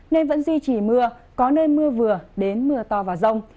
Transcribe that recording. nên vẫn duy trì mưa có nơi mưa vừa đến mưa to và rông